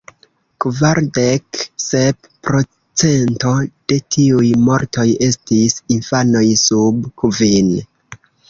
Kvardek sep procento de tiuj mortoj estis infanoj sub kvin.